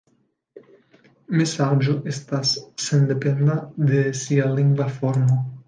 Mesaĝo estas sendependa de sia lingva formo.